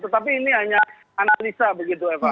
tetapi ini hanya analisa begitu eva